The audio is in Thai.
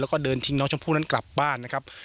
แล้วก็เดินทิ้งน้องชมพู่นั้นกลับบ้านนะครับ